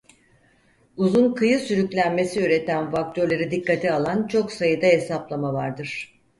Uzun kıyı sürüklenmesi üreten faktörleri dikkate alan çok sayıda hesaplama vardır.